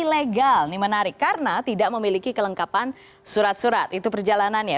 ilegal ini menarik karena tidak memiliki kelengkapan surat surat itu perjalanannya